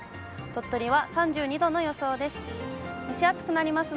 鳥取は３２度の予想です。